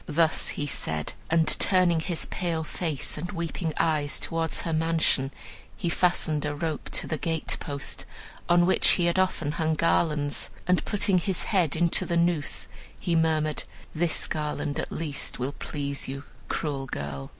Thus he said, and, turning his pale face and weeping eyes towards her mansion, he fastened a rope to the gatepost, on which he had often hung garlands, and putting his head into the noose, he murmured, 'This garland at least will please you, cruel girl!'